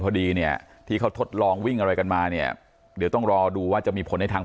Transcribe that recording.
พอดีเนี่ยที่เขาทดลองวิ่งอะไรกันมาเนี่ยเดี๋ยวต้องรอดูว่าจะมีผลในทาง